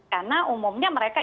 karena umumnya mereka